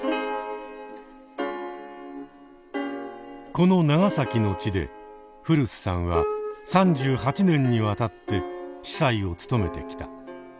この長崎の地で古巣さんは３８年にわたって司祭を務めてきた。